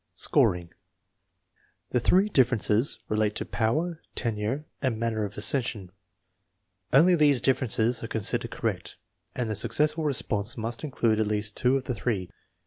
Scoring. The three differences relate to power, tenure, and manner of accession. Only these differences are con sidered correct, and the successful response must include at least two of the three.